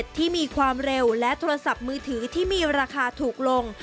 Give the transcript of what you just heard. ที่มีความเร็วและโทรศัพท์มือถือที่มีราคาถูกลง